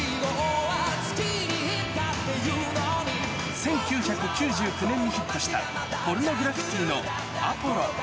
１９９９年にヒットしたポルノグラフィティのアポロ。